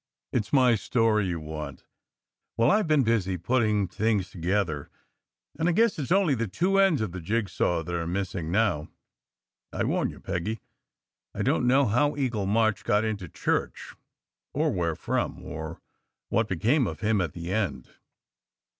"It s my story you want. Well, I ve been busy putting things together, and I guess it s only the two ends of the jig saw that are missing now. I warn you, Peggy, I don t know how Eagle March got into church, or where from, or what became of him at the end."